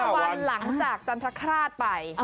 ๑๕วันหลังจากจันทรฆาตไป